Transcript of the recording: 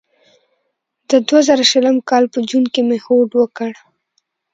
د دوه زره شلم کال په جون کې مې هوډ وکړ.